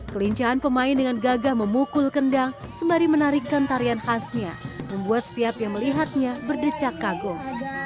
kelincahan pemain dengan gagah memukul kendang sembari menarikkan tarian khasnya membuat setiap yang melihatnya berdecak kagum